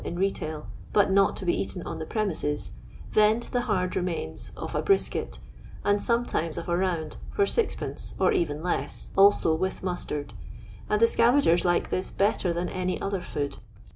in retail, but not to be eaten on the premises, vend the hard re* mains of a brisket, and sometimes of a round, for 6<i, or even less (also with mustard), and the scavagers like this better than any other food.